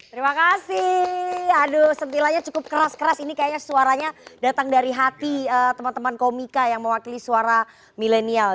terima kasih aduh sentilanya cukup keras keras ini kayaknya suaranya datang dari hati teman teman komika yang mewakili suara milenial